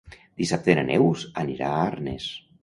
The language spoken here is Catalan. Dissabte na Neus anirà a Arnes.